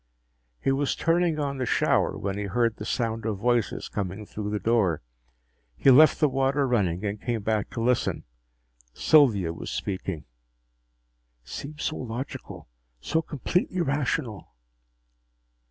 He was turning on the shower when he heard the sound of voices coming through the door. He left the water running and came back to listen. Sylvia was speaking. " seems so logical, so completely rational."